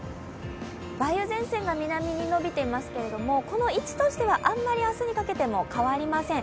梅雨前線が南に延びていますけど位置としてはあんまり明日にかけても変わりません。